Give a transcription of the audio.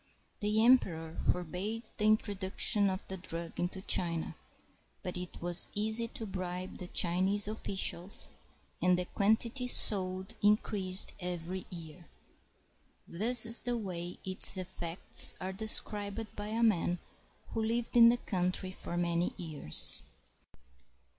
The emperor forbade the introduction of the drug into China; but it was easy to bribe the Chinese oflScials, and the quantity sold increased every year. This is the way its effects are described by a man who lived in the country for many years.